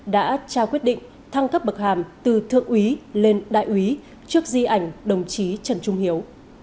đã trao quyết định thăng cấp bậc hàm từ thượng úy lên đại úy trước di ảnh đồng chí trần trung hiếu